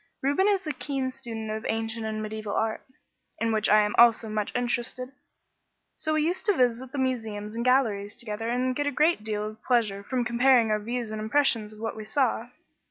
Reuben is a keen student of ancient and mediaeval art, in which I also am much interested, so we used to visit the museums and galleries together and get a great deal of pleasure from comparing our views and impressions of what we saw.